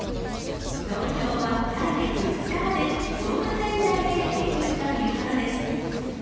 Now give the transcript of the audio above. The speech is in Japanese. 投票は来月２日まで、動物園内でできるということです。